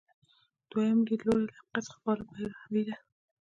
دویم لیدلوری له حقیقت څخه فعاله پیروي ده.